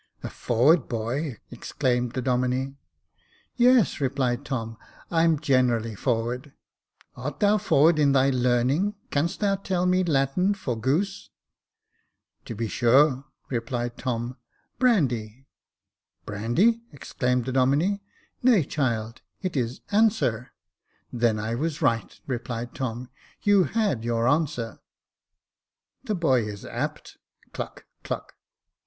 " A forward boy," exclaimed the Domine. " Yes," replied Tom ;" I'm generally forward." " Art thou forward in thy learning ? Canst thou tell me Latin for goose ?"" To be sure," replied Tom ;" Brandy." " Brandy !" exclaimed the Domine. " Nay, child, it is anserP Then I was right," replied Tom. You had your ansiuer I "" The boy is apt." (Cluck, cluck.)